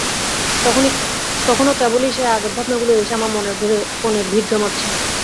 তখনো কেবলই সেই আগের ভাবনাগুলো এসে আমার মনের কোণে ভিড় জমাচ্ছে।